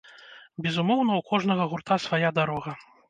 Безумоўна, у кожнага гурта свая дарога.